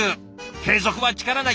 継続は力なり。